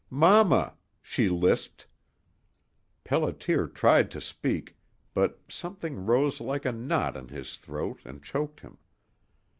"Mama," she lisped. Pelliter tried to speak, but something rose like a knot in his throat and choked him.